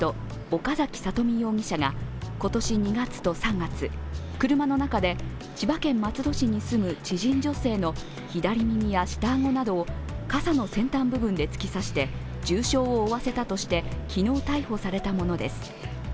岡崎里美容疑者が今年２月と３月、車の中で千葉県松戸市に住む知人女性の左耳や下顎などを傘の先端部分で突き刺して重傷を負わせたとして昨日、逮捕されたものです。